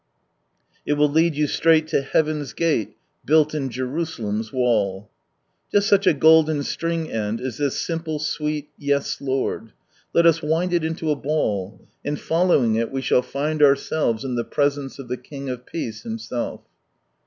J will lioii you siraigh! to Heavtn's gaU Buitl iu /iriiialeni's tual/." Just such a golden string end is this simple, sweet, " Va, Lord." Let us wind it into a ball, and following it, we shall find ourselves in the presence of the King of Peace Himself.